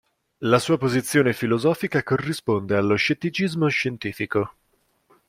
La sua posizione filosofica corrisponde allo scetticismo scientifico.